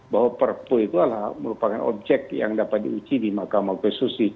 bahwa perpu itu merupakan objek yang dapat diuji di mahkamah konstitusi